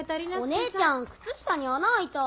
お姉ちゃん靴下に穴開いた。